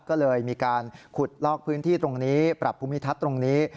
ก็เลยมีการขุดลอกพื้นที่ตรงนี้ปรับภูมิทัศน์ตรงนี้